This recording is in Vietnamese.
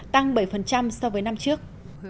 tăng bảy so với năm trước